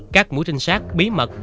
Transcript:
các mũ trinh sát bí mật